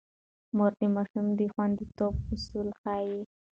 مور د ماشوم د خونديتوب اصول ښيي.